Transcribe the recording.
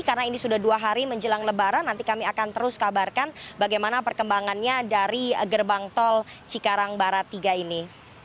karena ini sudah dua hari menjelang lebaran nanti kami akan terus kabarkan bagaimana perkembangannya dari gerbang tol cikarang barat tiga ini